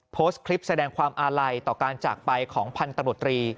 โพสต์คลิปแสดงความอาลัยต่อการจากไปของพันธมตรี